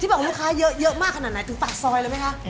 บอกลูกค้าเยอะมากขนาดไหนถึงปากซอยเลยไหมคะ